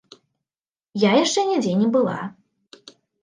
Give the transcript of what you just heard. Я яшчэ нідзе не была.